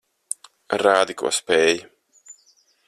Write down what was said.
Rādi, ko spēj.